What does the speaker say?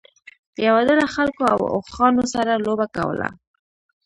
یوه ډله خلکو له اوښانو سره لوبه کوله.